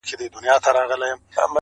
• پیر مغان له ریاکاره سره نه جوړیږي -